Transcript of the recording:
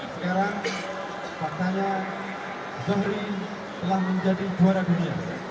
sekarang faktanya bahri telah menjadi juara dunia